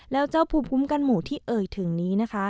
แล้วเจ้าภูมิคุ้มกันหมู่ที่เอ่ยถึงนี้นะคะ